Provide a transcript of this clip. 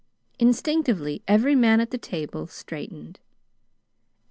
Instinctively every man at the table straightened.